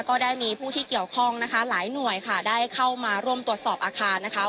ก็ได้มีผู้ที่เกี่ยวข้องนะคะหลายหน่วยค่ะได้เข้ามาร่วมตรวจสอบอาคารนะคะ